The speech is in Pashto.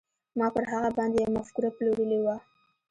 ما پر هغه باندې يوه مفکوره پلورلې وه.